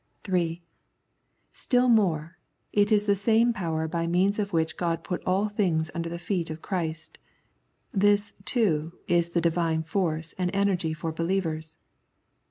(3) Still more, it is the same power by means of which God put all things under the feet of Christ. This, too, is the Divine force and energy for believers.